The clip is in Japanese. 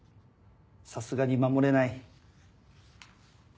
さすがに守れない。